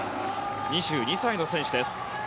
２２歳の選手です。